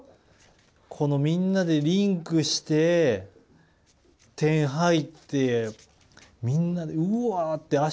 このみんなでリンクして点入ってみんなうわ！って